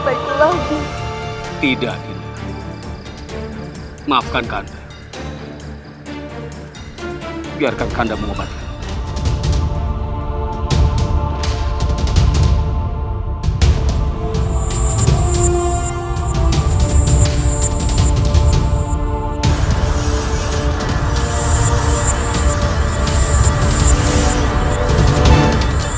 bagaimana kita bisa membiarkan dia beban gaya di bapak